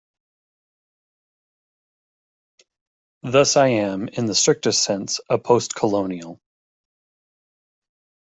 Thus I am, in the strictest sense, a postcolonial.